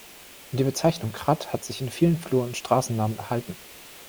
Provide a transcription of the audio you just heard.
Die Bezeichnung Kratt hat sich in vielen Flur- und Straßennamen erhalten.